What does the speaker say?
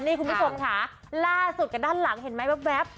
นี่คุณพี่ฟงขาล่าสุดกันด้านหลังเห็นไหมแบบ